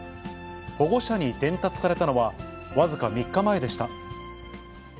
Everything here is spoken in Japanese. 保護者に伝達されたのは、僅か３日前でした。